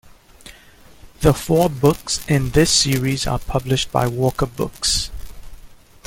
The four books in this series are published by Walker Books.